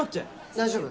大丈夫？